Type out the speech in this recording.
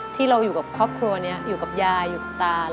ที่เราอยู่กับครอบครัวนี้อยู่กับยายอยู่กับตา